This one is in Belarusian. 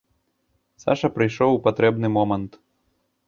Саша прыйшоў у патрэбны момант.